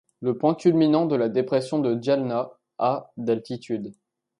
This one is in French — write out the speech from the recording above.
Le point culminant de la dépression est Diaľňa à d'altitude.